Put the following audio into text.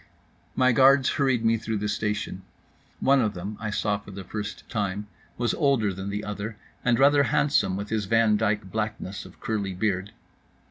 My guards hurried me through the station. One of them (I saw for the first time) was older than the other, and rather handsome with his Van Dyck blackness of curly beard.